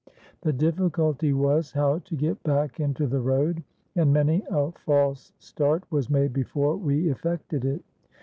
The difficulty was, how to get back into the road, and many a false start was made before we effected it.